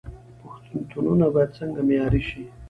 پوهنتونونه باید څنګه معیاري شي؟